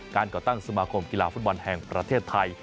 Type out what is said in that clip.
ก่อตั้งสมาคมกีฬาฟุตบอลแห่งประเทศไทย